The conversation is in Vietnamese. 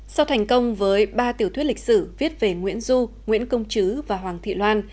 sau thành công với ba tiểu thuyết lịch sử viết về nguyễn du nguyễn công chứ và hoàng thị loan